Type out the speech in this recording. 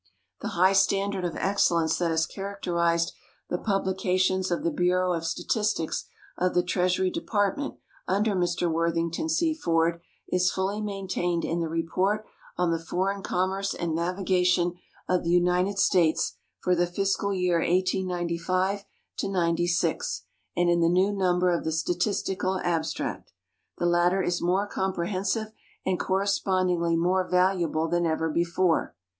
The high standard of excellence that has characterized the publica tions of the Bureau of Statistics of the Treasury Department under Mr AVorthington C. Ford is fully maintained in the Report on tlie Foreign Counnerce and Navigation of the United States for the ti.<cal year 18t)') "yt) and in the new number of the Statistical Abstract. The latter is more comprehensive and correspondingly more valuable than ever before.